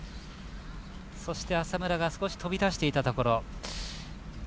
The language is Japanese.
そして、浅村が少し飛び出していたところ。